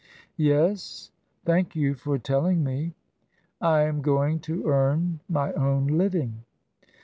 " Yes ? Thank you for telling me." " I am going to earn my own living."